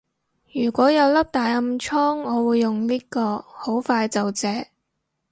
如果有粒大暗瘡我會用呢個，好快就謝